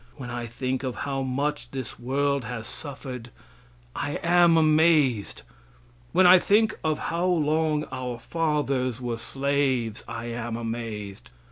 When I think of how much this world has suffered, I am amazed. When I think of how long our fathers were slaves, I am amazed.